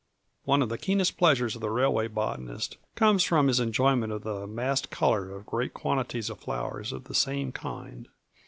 One of the keenest pleasures of the railway botanist comes from his enjoyment of the massed color of great quantities of flowers of the same kind.